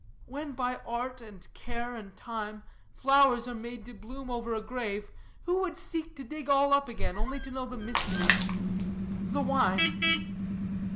when by art, and care, and time, flowers are made to bloom over a grave, who would seek to dig all up again only to know the mystery? The wine.'